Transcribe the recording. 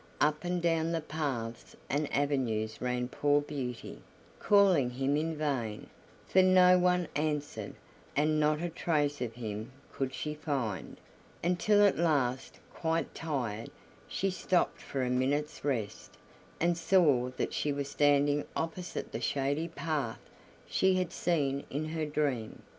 Up and down the paths and avenues ran poor Beauty, calling him in vain, for no one answered, and not a trace of him could she find; until at last, quite tired, she stopped for a minute's rest, and saw that she was standing opposite the shady path she had seen in her dream.